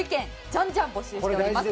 じゃんじゃん募集しております。